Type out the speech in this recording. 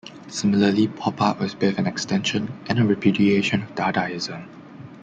Similarly, pop art was both an extension and a repudiation of Dadaism.